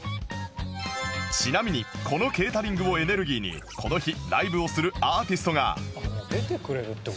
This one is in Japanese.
ちなみにこのケータリングをエネルギーにこの日ライブをするアーティストが出てくれるって事？